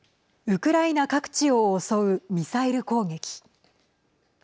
ウクライナ各地を襲うミサイル攻撃。